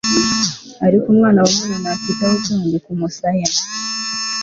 ariko umwana w'umuntu ntafite aho kurambika umusaya